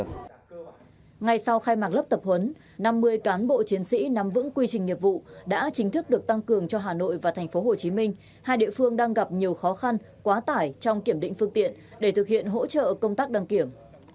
ngay sau khai mạc lớp tập huấn năm mươi cán bộ chiến sĩ nắm vững quy trình nghiệp vụ đã chính thức được tăng cường cho hà nội và tp hcm hai địa phương đang gặp nhiều khó khăn quá tải trong kiểm định phương tiện để thực hiện hỗ trợ công tác đăng kiểm